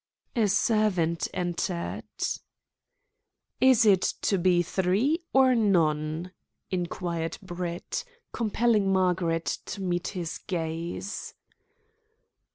A servant entered. "Is it to be for three, or none?" inquired Brett, compelling Margaret to meet his gaze.